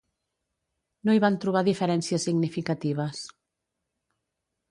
No hi van trobar diferències significatives.